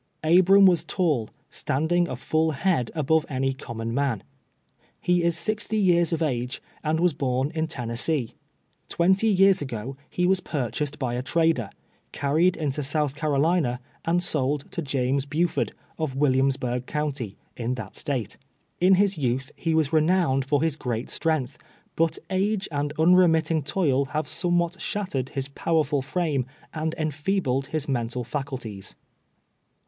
Abram was tall, standing a full head above any common man. He is sixty years of age, and was born in Tennessee. Twenty yeare ago, he was pur chased by a trader, carried into South Carolina, and sold to James Buford, of Williamsburgh county, in that State. In his youth he was renowned for his great strength, but age and unremitting toil have somewhat shattered his powerful frame and enfeebled his mental faculties.